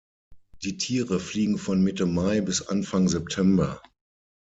Die Tiere fliegen von Mitte Mai bis Anfang September.